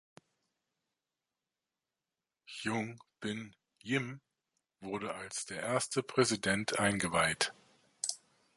Hyung Bin Yim wurde als der erste Präsident eingeweiht.